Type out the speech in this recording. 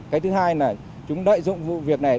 cái thứ hai là chúng lợi dụng vụ việc này